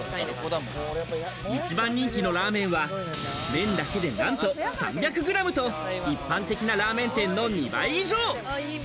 一番人気のラーメンは麺だけでなんと３００ｇと一般的なラーメン店の２倍以上。